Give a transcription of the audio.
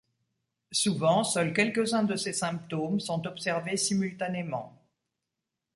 Souvent seuls quelques-uns de ces symptômes sont observés simultanément.